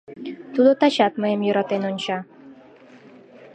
Тудо тачат мыйым йӧратен онча.